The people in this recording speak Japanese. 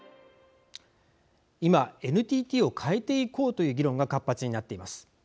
今、ＮＴＴを変えていこうという議論が活発になっています。